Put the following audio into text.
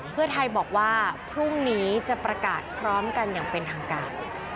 เพื่อไทยบอกว่าพรุ่งนี้จะประกาศพร้อมกันอย่างเป็นทางการ